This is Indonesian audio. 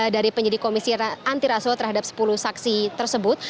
dari penyelidik komisi antiraso terhadap sepuluh saksi tersebut